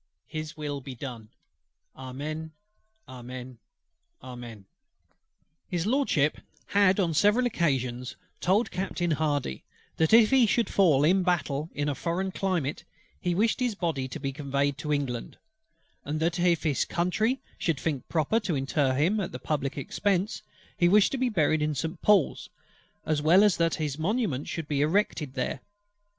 His will be done! "AMEN, amen, amen." HIS LORDSHIP had on several occasions told Captain HARDY, that if he should fall in battle in a foreign climate, he wished his body to be conveyed to England; and that if his Country should think proper to inter him at the public expence, he wished to be buried in Saint Paul's, as well as that his monument should be erected there.